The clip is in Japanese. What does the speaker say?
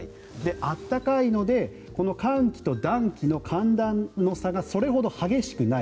暖かいので寒気と暖気の差がそれほど激しくない。